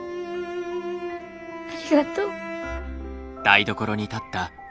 ありがとう。